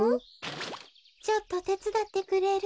ちょっとてつだってくれる？